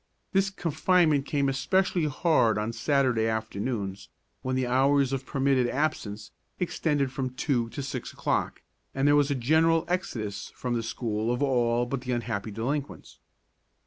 This confinement came especially hard on Saturday afternoons, when the hours of permitted absence extended from two to six o'clock, and there was a general exodus from the school of all but the unhappy delinquents.